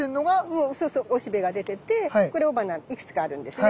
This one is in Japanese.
もうそうそう雄しべ出ててこれ雄花いくつかあるんですね。